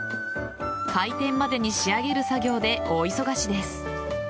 開店までに仕上げる作業で大忙しです。